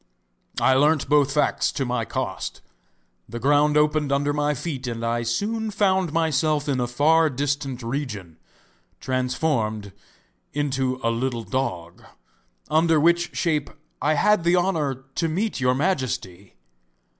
I learnt both facts to my cost. The ground opened under my feet, and I soon found myself in a far distant region transformed into a little dog, under which shape I had the honour to meet your Majesty.